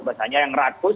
bahasanya yang rakus